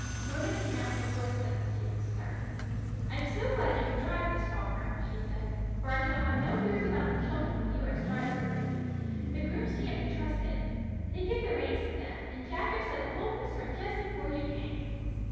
Mona came out on the doorstep to see them start. "I'm so glad you can drive, Miss Falkner," she said, "for I shall have no fears about the children with you as driver. The grooms can't be trusted. They give the reins to them, and Jack upset the whole concern just before you came."